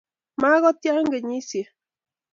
Ma ko tia kenyisiek